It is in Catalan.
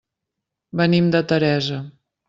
Venim de Teresa.